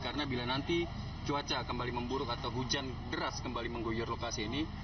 karena bila nanti cuaca kembali memburuk atau hujan deras kembali mengguyur lokasi ini